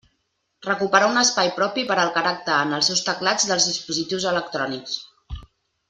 Recuperar un espai propi per al caràcter en els teclats dels dispositius electrònics.